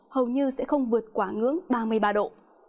hầu như sẽ không vượt quá ngưỡng ba mươi ba độ